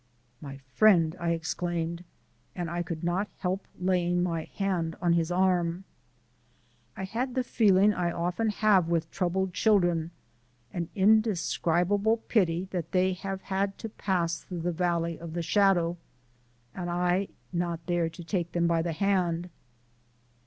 "My friend!" I exclaimed, and I could not help laying my hand on his arm. I had the feeling I often have with troubled children an indescribable pity that they have had to pass through the valley of the shadow, and I not there to take them by the hand.